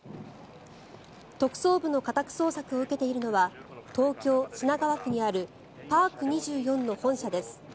特捜部の家宅捜索を受けているのは東京・品川区にあるパーク２４の本社です。